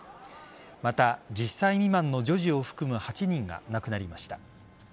また１０歳未満の女児を含む８人が亡くなりました。